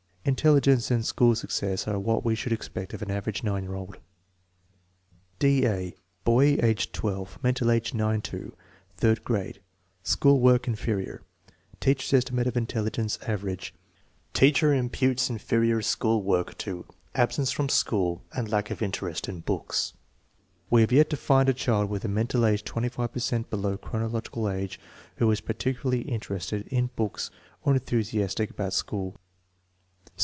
Intelli gence and school success are what we should expect of an average 9 year okL 20 THE MEASUREMENT OF INTELLIGENCE D. A. Roy, age 38; mental age ,9 5; third grade,' school work "in ferior"; tcarher\<t estimate of intelligence average" Teacher im putes inferior school work to "absence from school and lack of interest in books"; we have yet to find a child with a mental age &> per cent below chronological age who was particularly inter ested in books or enthusiastic about school.